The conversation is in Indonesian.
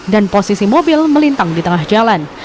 dan posisi mobil melintang di tengah jalan